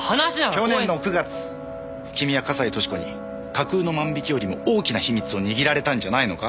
去年の９月君は笠井俊子に架空の万引きよりも大きな秘密を握られたんじゃないのか？